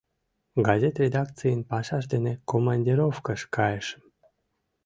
Газет редакцийын пашаж дене командировкыш кайышым.